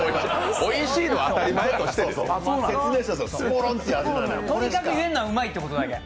おいしいのは当たり前としてですよ。